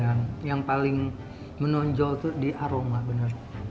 iya yang paling menonjol tuh di aroma bener